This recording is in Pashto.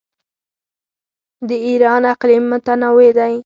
د ایران اقلیم متنوع دی.